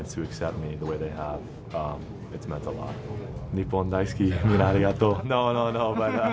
日本大好き、みんなありがとう。